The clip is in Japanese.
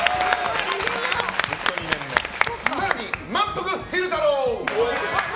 更に、まんぷく昼太郎！